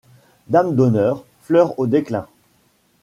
Dame d’honneur, fleur au déclin